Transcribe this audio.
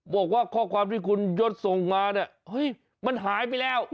บอกว่าข้อความที่คุณยศส่งมาเนี่ยเฮ้ยมันหายไปแล้ว